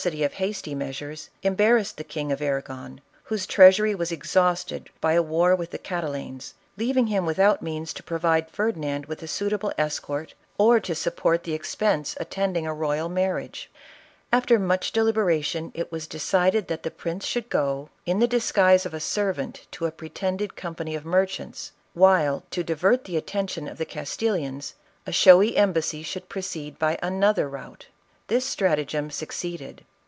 ity of hasty measures, .embar rassed the King of Arragon, whose treasury was ex hausted by a war with the Catalans, leaving him with out means to provide Ferdinand with a suitable escort, 68 ISABELLA OF CASTILE. or to support the expense attending a royal marriage. After much deliberation it was decided that the prince should go, in the disguise of a servant to a pretended company of merchants, while, to divert the attention of the Castillians, a showy embassy should proceed by another route. This stratagem succeeded.